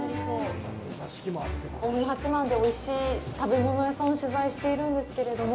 近江八幡でおいしい食べ物屋さんを取材しているんですけれども。